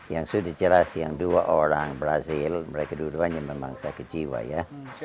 yang sudah jelas yang dua orang brazil mereka dua orangnya memang sekejiwa ya